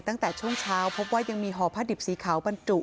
ตั้งแต่ช่วงเช้าพบว่ายังมีห่อผ้าดิบสีขาวบรรจุ